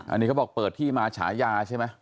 อันนี้เขาบอกเปิดที่มาฉายาใช่ไหม